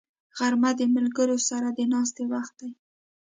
غرمه د ملګرو سره د ناستې وخت دی